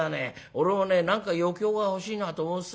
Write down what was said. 俺もね何か余興が欲しいなと思ってた。